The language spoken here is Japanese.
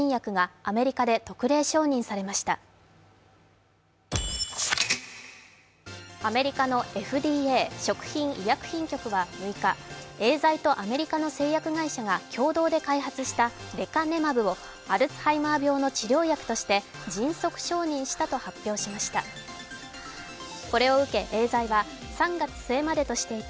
アメリカのＦＤＡ＝アメリカ食品医薬品局は６日、エーザイとアメリカの製薬会社が共同で開発したレカネマブをアルツハイマー病の治療薬として迅速承認したと発表しました。